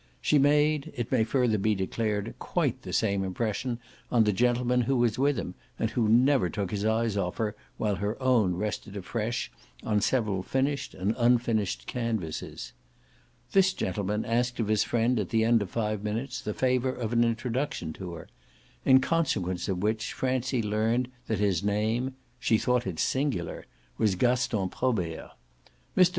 She made, it may further be declared, quite the same impression on the gentleman who was with him and who never took his eyes off her while her own rested afresh on several finished and unfinished canvases. This gentleman asked of his friend at the end of five minutes the favour of an introduction to her; in consequence of which Francie learned that his name she thought it singular was Gaston Probert. Mr.